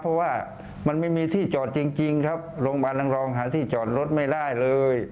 เพราะว่ามันไม่มีที่จอดจริงครับโรงพยาบาลนางรองหาที่จอดรถไม่ได้เลย